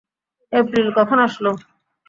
April কখন আসলো?